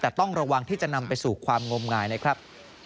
แต่ต้องระวังที่จะนำไปสู่ความงมงายนะครับ